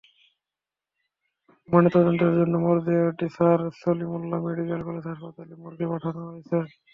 ময়নাতদন্তের জন্য মরদেহটি স্যার সলিমুল্লাহ মেডিকেল কলেজ হাসপাতাল মর্গে পাঠানো হয়েছে।